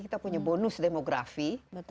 kita punya bonus demografi